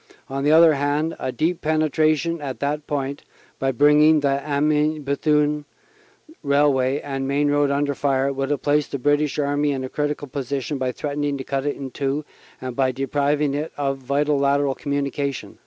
.. On the other hand, a deep penetra tion at that point, by bringing the Amiens Bethune railway and main road under fire, would have placed the British Army in a critical position by threatening to cut it in two and by depriving it of vital lateral communication.